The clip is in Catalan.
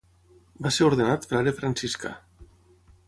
Va ser ordenat frare franciscà.